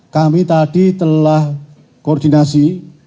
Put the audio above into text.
kami tadi telah koordinasi